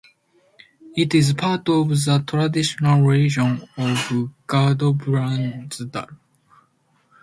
It is part of the traditional region of Gudbrandsdal.